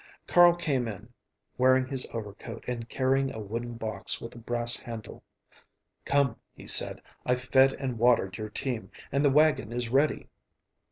Carl came in, wearing his overcoat and carrying a wooden box with a brass handle. "Come," he said, "I've fed and watered your team, and the wagon is ready."